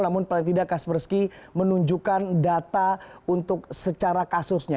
namun paling tidak kaspersky menunjukkan data untuk secara kasusnya